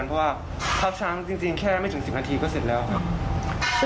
เพราะว่าทับช้างจริงแค่ไม่ถึง๑๐นาทีก็เสร็จแล้วครับ